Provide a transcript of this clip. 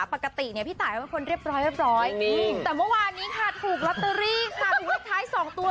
ปกติพี่ตายเป็นคนเรียบร้อยแต่เมื่อวานนี้ถูกลัตเตอรี่ถูกท้าย๒ตัว๐๕